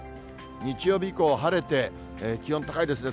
日曜日以降、晴れて、気温高いですね。